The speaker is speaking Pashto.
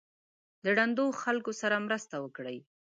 د ړندو خلکو سره مرسته وکړئ.